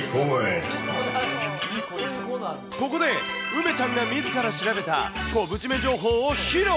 ここで梅ちゃんがみずから調べた、昆布締め情報を披露。